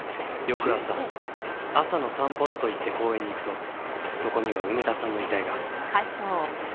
翌朝朝の散歩だと言って公園に行くとそこには梅田さんの遺体が。